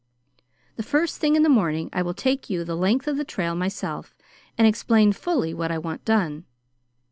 The first thing in the morning, I will take you the length of the trail myself and explain fully what I want done.